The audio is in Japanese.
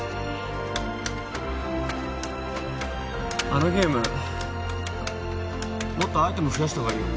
あのゲームもっとアイテム増やした方がいいよ